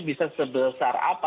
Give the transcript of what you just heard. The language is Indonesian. bisa sebesar apa